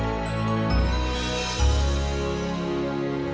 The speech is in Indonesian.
aku mau ke rumah mas dino sekarang